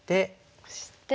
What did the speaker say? オシて。